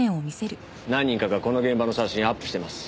何人かがこの現場の写真アップしてます。